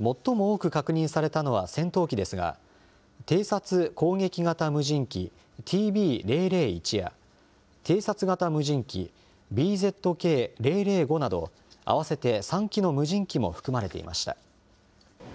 最も多く確認されたのは戦闘機ですが、偵察・攻撃型無人機ＴＢー００１や偵察型無人機ＢＺＫー００５など、合わせて３機の無人機も含まれていました。